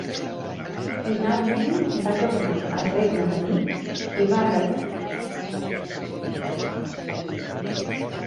Finalment, va tornar al Regne Unit i va reprendre el seu ritme de vida normal.